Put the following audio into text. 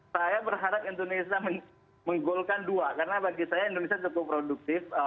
saya berharap indonesia menggolkan dua karena bagi saya indonesia cukup produktif